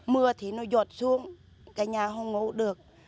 mưa thì nó giọt xuống cái nhà không ngủ được